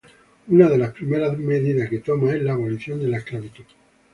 Una de las primeras medidas que toma es la abolición de la esclavitud.